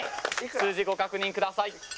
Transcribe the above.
数字ご確認ください。